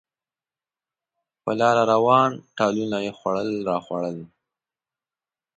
په لاره روان، ټالونه یې خوړل راخوړل.